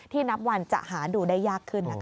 ที่นับวันจะหาดูได้ยากขึ้น